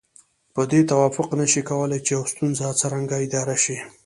په دې توافق نشي کولای چې يوه ستونزه څرنګه اداره شي.